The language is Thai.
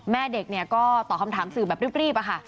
แม่เด็กก็ตอบคำถามสื่อแบบรีบอะค่ะ